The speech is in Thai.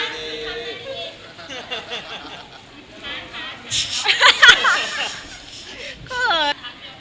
สิ่งที่ใช่